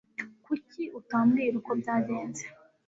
Kuki utambwira uko byagenze?